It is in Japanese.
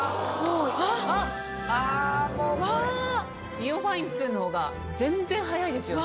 ＩＯファイン２の方が全然早いですよね。